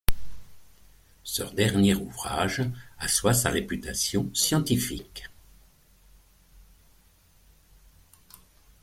Ce dernier ouvrage assoit sa réputation scientifique.